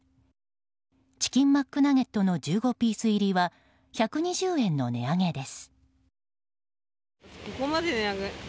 チキンマックナゲットの１５ピース入りは１２０円の値上げです。